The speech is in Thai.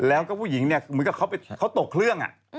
แล้วก็ผู้หญิงเนี่ยเหมือนกับเขาตกเครื่อง